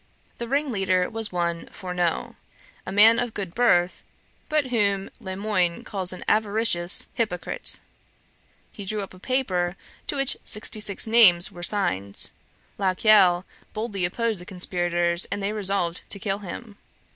The ringleader was one Fourneaux, a man of good birth, but whom Le Moyne calls an avaricious hypocrite. He drew up a paper, to which sixty six names were signed. La Caille boldly opposed the conspirators, and they resolved to kill him.